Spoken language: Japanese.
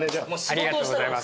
ありがとうございます。